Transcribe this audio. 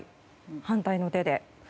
反対の手で。